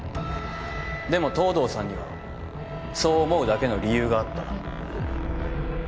でも藤堂さんにはそう思うだけの理由があった。